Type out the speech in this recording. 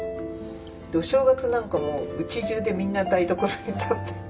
お正月なんかもうちじゅうでみんな台所に立って。